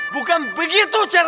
bukan begitu caranya